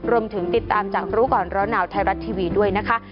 รวมถึงติดตามจากรู้ก่อนร้อนหนาวไทยรัฐทีวีด้วยนะคะ